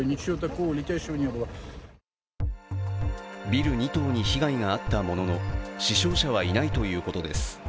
ビル２棟に被害があったものの死傷者はいないということです。